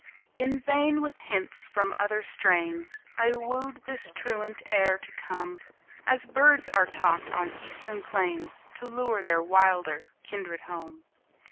In vain with hints from other strains I wooed this truant air to come As birds are taught on eastern plains To lure their wilder kindred home.